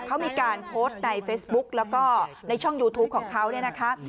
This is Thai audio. เขามีการโพสต์ในเฟซบุ๊กแล้วก็ในช่องยูทูปของเขาเนี่ยนะคะ